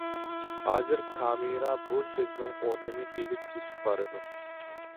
ھازىر كامېرا بۇ سۆزنىڭ ئورنىنى ئېلىپ كېتىپ بارىدۇ.